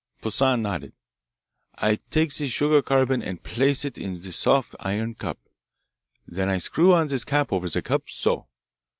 Poissan nodded. "I take this sugar carbon and place it in this soft iron cup. Then I screw on this cap over the cup, so.